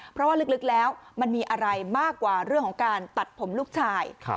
เพราะว่าลึกแล้วมันมีอะไรมากกว่าเรื่องของการตัดผมลูกชาย